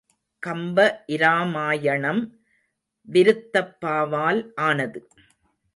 கம்ப இராமாயணம் விருத்தப்பாவால் ஆனது.